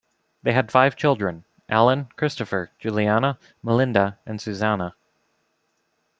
They had five children: Alan, Christopher, Juliana, Melinda and Susanna.